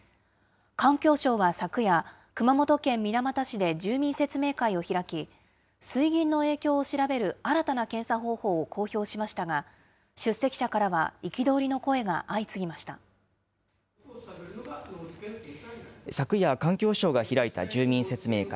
環境省は昨夜、熊本県水俣市で住民説明会を開き、水銀の影響を調べる新たな検査方法を公表しましたが、出席者から昨夜、環境省が開いた住民説明会。